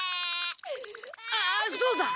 あっそうだ。